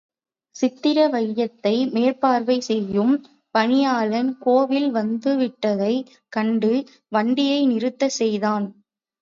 சித்திர வையத்தை மேற்பார்வை செய்யும் பணியாளன் கோவில் வந்துவிட்டதைக் கண்டு வண்டியை நிறுத்தச் செய்தான்.